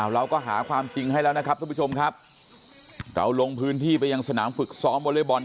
เราก็หาความจริงให้แล้วนะครับท่านผู้ชมครับเราลงพื้นที่ไปยังสนามฝึกซ้อมวอเล็กบอล